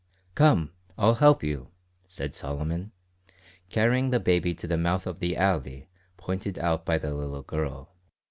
'" "Come, I'll help you," said Solomon, carrying the baby to the mouth of the alley pointed out by the little girl.